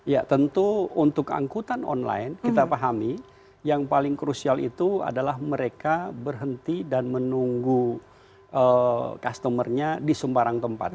ya tentu untuk angkutan online kita pahami yang paling krusial itu adalah mereka berhenti dan menunggu customer nya di sembarang tempat